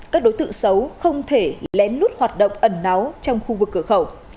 các đối tượng xấu không thể lén lút hoạt động ẩn náu trong khu vực cửa khẩu